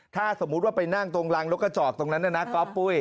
ถ้าสมมุติว่าไปนั่งตรงรางรกจอกตรงนั้นนัเรียนละนะก็อปปุ้ย